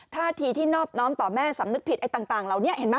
ท่าทีที่นอบน้อมต่อแม่สำนึกผิดต่างเห็นไหม